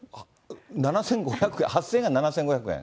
７５００円、８０００円が７５００円？